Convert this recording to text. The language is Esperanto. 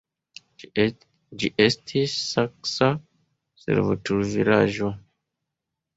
Ĝi estis saksa servutulvilaĝo.